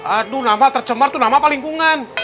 aduh nama tercemar tuh nama pelingkungan